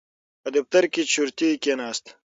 په دفتر کې چورتي کېناست.